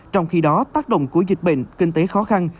trong khi đó tác động của dịch bệnh kinh tế khó khăn